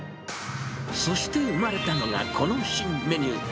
そして生まれたのがこの新メニュー。